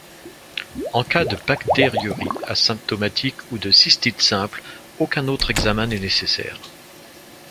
En cas de bactériurie asymptomatique ou de cystite simple, aucun autre examen n'est nécessaire.